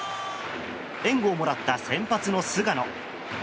援護をもらった先発の菅野。